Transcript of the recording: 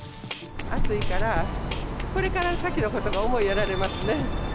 暑いから、これから先のことが思いやられますね。